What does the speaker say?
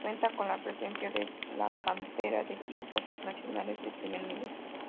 Cuenta con presencia de la cantera de equipos nacionales de primer nivel.